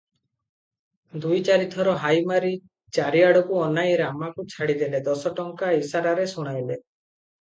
ଦୁଇ ଚାରିଥର ହାଇ ମାରି ଚାରିଆଡକୁ ଅନାଇ ରାମାକୁ ଛାଡିଦେଲେ ଦଶଟଙ୍କା ଇଶାରାରେ ଶୁଣାଇଲେ ।